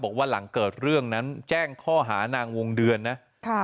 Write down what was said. บอกว่าหลังเกิดเรื่องนั้นแจ้งข้อหานางวงเดือนนะค่ะ